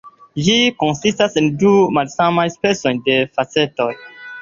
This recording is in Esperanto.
Ĝi konsistas el du malsamaj specoj de facetoj.